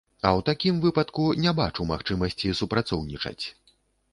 А ў такім выпадку не бачу магчымасці супрацоўнічаць.